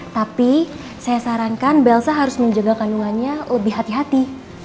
tapi saya sarankan belsa harus menjaga kandungannya lebih hati hati